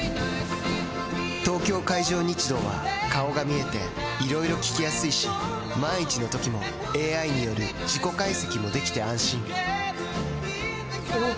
東京海上日動は顔が見えていろいろ聞きやすいし万一のときもＡＩによる事故解析もできて安心おぉ！